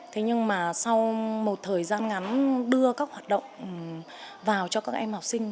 thế nhưng mà sau một thời gian ngắn đưa các hoạt động vào cho các em học sinh